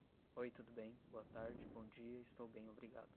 oi tudo bem boa tarde bom dia estou bem obrigado